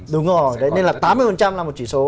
đúng rồi nên là tám mươi là một chỉ số